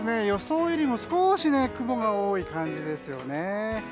予想よりも少し雲が多い感じですね。